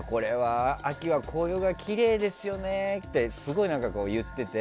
秋は紅葉はきれいですよねってすごい言ってて。